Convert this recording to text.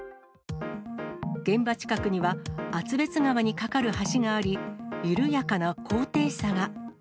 現場近くには厚別川に架かる橋があり、緩やかな高低差が。